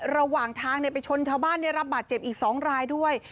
ระหว่างทางเนี่ยไปชนชาวบ้านเนี่ยรับบาดเจ็บอีกสองรายด้วย